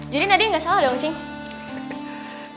jadi nadine gak salah dong cing